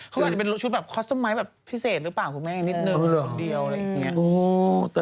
เขาอาจจะเป็นชุดแบบคอสตัมม์ไม้แบบพิเศษหรือเปล่าคุณแม่นิดนึง